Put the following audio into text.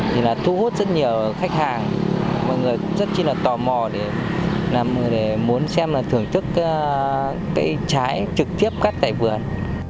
thì là thu hút rất nhiều khách hàng mọi người cũng rất là tò mò để muốn xem là thưởng thức cái trái trực tiếp cắt tại vườn